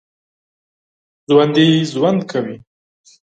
ژوندي ژوند کوي